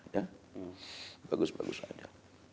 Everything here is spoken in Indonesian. ya bagus bagus saja